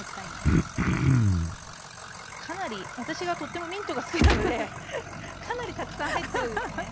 かなり私がとってもミントが好きなのでかなりたくさん入ってるんですね。